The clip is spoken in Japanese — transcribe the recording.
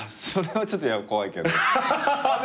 それはちょっと怖いけど。